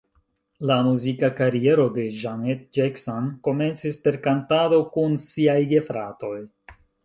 La muzika kariero de Janet Jackson komencis per kantado kun siaj gefratoj.